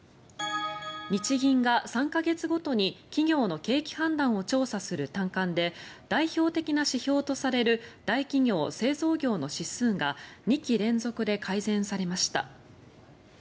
日銀が３か月ごとに企業の景気判断を調査する短観で代表的な指標とされる大企業・製造業の指数が２期連続で改善されました。